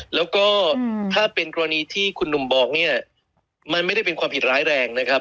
แล้วก็ถ้าเป็นกรณีที่คุณหนุ่มบอกเนี่ยมันไม่ได้เป็นความผิดร้ายแรงนะครับ